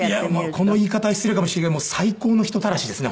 この言い方は失礼かもしれないけども最高の人たらしですね